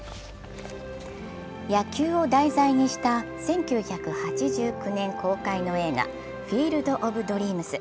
野球を題材にした１９８９年公開の映画「フィールド・オブ・ドリームス」